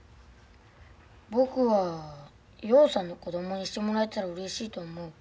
僕は陽さんの子供にしてもらえたらうれしいと思う。